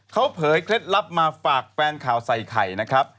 เขาเผยเคล็ดลับมาฝากแฟนข่าวใส่ไข่นะครับ